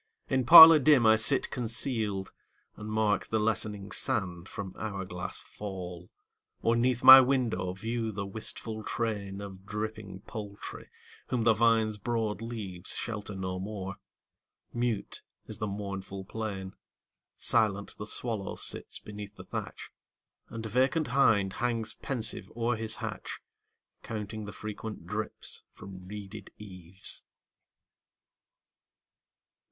In parlour dim I sit concealed, And mark the lessening sand from hour glass fall; Or 'neath my window view the wistful train Of dripping poultry, whom the vine's broad leaves Shelter no more. Mute is the mournful plain; Silent the swallow sits beneath the thatch, And vacant hind hangs pensive o'er his hatch, Counting the frequent drips from reeded eaves.